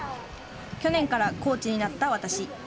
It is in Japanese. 去年からコーチになった私。